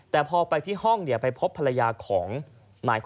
แต่พอไปที่ห้องไปพบภรรยาของนาย